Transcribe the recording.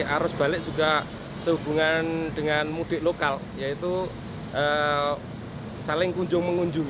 arus balik juga sehubungan dengan mudik lokal yaitu saling kunjung mengunjung